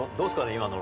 今の。